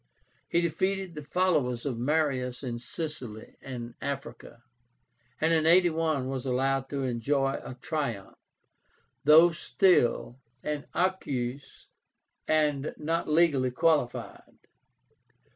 He defeated the followers of Marius in Sicily and Africa, and in 81 was allowed to enjoy a triumph, though still an Eques and not legally qualified.